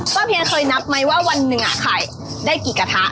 ป้าเพียนเคยนับไหมว่าวันหนึ่งอ่ะไข่ได้กี่กระทะ